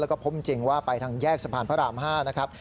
แล้วก็พบจริงว่าไปทางแยกสะพานพระราม๕นะครับ